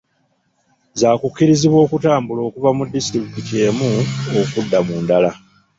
Zaakukkirizibwa okutambula okuva mu disitulikiti emu okudda mu ndala.